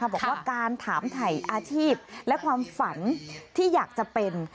บอกว่าการถามถ่ายอาชีพและความฝันที่อยากจะเป็น